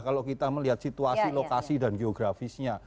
kalau kita melihat situasi lokasi dan geografisnya